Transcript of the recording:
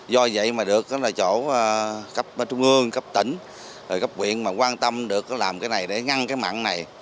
do vậy mà được là chỗ cấp trung ương cấp tỉnh rồi cấp quyền mà quan tâm được làm cái này để ngăn cái mặn này